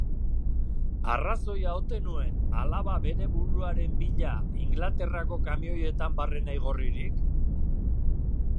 Arrazoia ote nuen alaba bere buruaren bila Ingalaterrako kamioetan barrena igorririk?